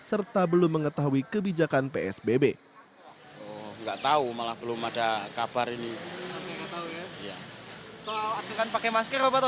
serta belum mengetahui kebijakan yang akan diperlukan